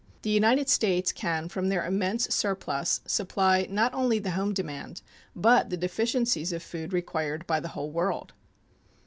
The United States can from their immense surplus supply not only the home demand, but the deficiencies of food required by the whole world.